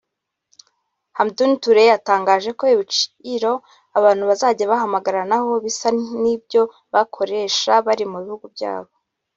Hamadoun Touré yatangaje ko ibiciro abantu bazajya bahamagaranaho bisa n’ibyo bakoresha bari mu bihugu byabo